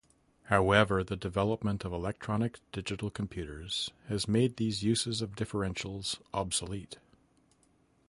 However, the development of electronic digital computers has made these uses of differentials obsolete.